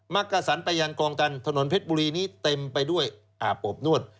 กระสันไปยังคลองตันถนนเพชรบุรีนี้เต็มไปด้วยอาบอบนวด